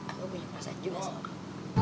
aku punya perasaan juga sama kamu